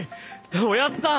おやっさん